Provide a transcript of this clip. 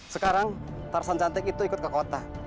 sekarang tarsan cantik itu ikut ke kota